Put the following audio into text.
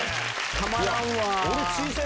たまらんわ。